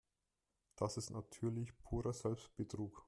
Das ist natürlich purer Selbstbetrug.